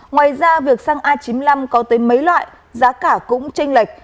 ngoài ra việc xăng a chín mươi năm có tới mấy loại giá cả cũng tranh lệch